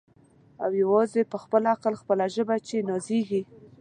او یوازي په خپل عقل خپله ژبه چي نازیږي